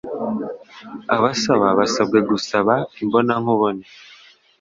Abasaba basabwe gusaba imbonankubone.